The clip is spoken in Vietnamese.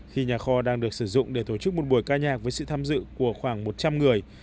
khi nhà kho đang được sử dụng để tổ chức một buổi ca nhạc với sự tham dự của khoảng một trăm linh người